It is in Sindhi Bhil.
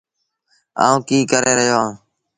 آئوٚنٚ ڪيٚ ڪري رهيو اهآنٚ